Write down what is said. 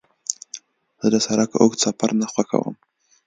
زه د سړک اوږد سفر نه خوښوم.